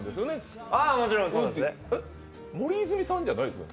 森泉さんじゃないですよね？